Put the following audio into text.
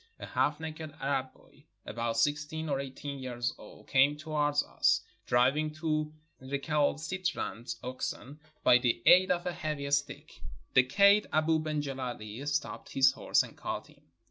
A half naked Arab boy, about sixteen or eighteen years old, came towards us, driving two recalcitrant oxen, by the aid of a heavy stick. The kaid, Abou ben Gileli, stopped his horse and called him.